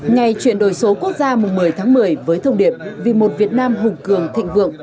ngày chuyển đổi số quốc gia một mươi tháng một mươi với thông điệp vì một việt nam hùng cường thịnh vượng